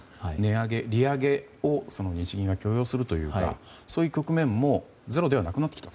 利上げを日銀が許容するというかそういう局面もゼロではなくなってきた。